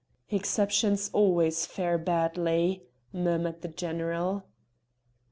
"Exceptions always fare badly," murmured the general.